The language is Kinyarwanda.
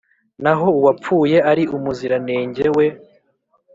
Na ho uwapfuye ari umuziranenge, we